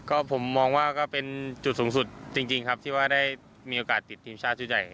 ก็ผมมองว่าก็เป็นจุดสูงสุดจริงครับที่ว่าได้มีโอกาสติดทีมชาติชุดใหญ่